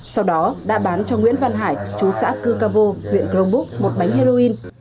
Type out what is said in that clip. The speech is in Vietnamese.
sau đó đã bán cho nguyễn văn hải chú xã cư ca vô huyện crong búc một bánh heroin